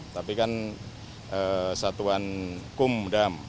tapi kan satuan kumdam